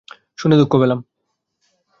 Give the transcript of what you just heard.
শুনে দুঃখ পেলাম।